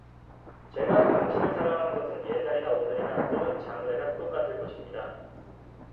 제가 당신을 사랑하는 것은 옛날이나 오늘이나 또는 장래가 똑같을 것 입니다.